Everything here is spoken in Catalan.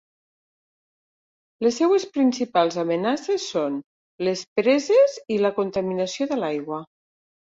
Les seues principals amenaces són les preses i la contaminació de l'aigua.